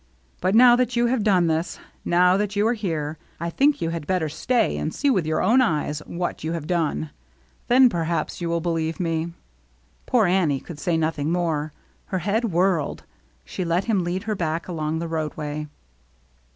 But now that you have done this, now that you are here, I think you had better stay and see with your own eyes what you have done. Then per haps you will believe me." Poor Annie could say nothing more. Her head whirled. She let him lead her back along the roadway.